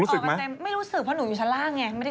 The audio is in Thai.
รู้สึกไหมคนออกไปเต็มไม่รู้สึกเพราะหนูอยู่ชั้นล่างไง